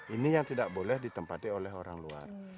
ini yang tidak boleh ditempati oleh orang luar